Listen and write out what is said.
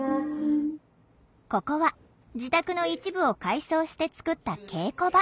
ここは自宅の一部を改装して作った稽古場。